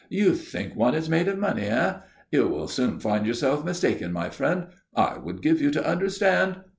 "You think one is made of money, eh? You will soon find yourself mistaken, my friend. I would give you to understand